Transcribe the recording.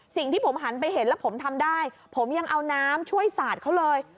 สิ่งที่ผมหันไปเห็นแล้วผมทำได้ผมยังเอาน้ำช่วยสาดเขาเลย